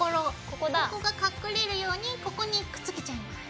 ここが隠れるようにここにくっつけちゃいます。